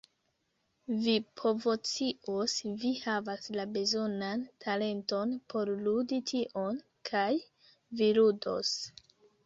Vi povoscios, vi havas la bezonan talenton por ludi tion, kaj vi ludos.